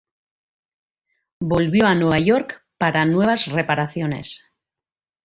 Volvió a Nueva York para nuevas reparaciones.